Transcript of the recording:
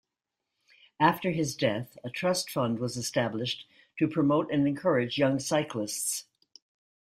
After his death, a trust fund was established to promote and encourage young cyclists.